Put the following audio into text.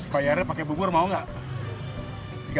bayarnya pake bubur mau gak